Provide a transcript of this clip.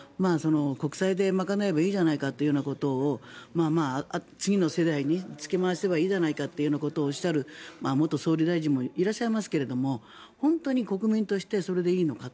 国債で賄えばいいじゃないかということを次の世代に付け回せばいいじゃないかとおっしゃる元総理大臣もいらっしゃいますが本当に国民としてそれでいいのか。